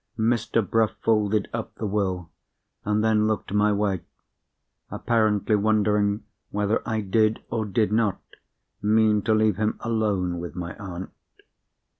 Mr. Bruff folded up the Will, and then looked my way; apparently wondering whether I did or did not mean to leave him alone with my aunt.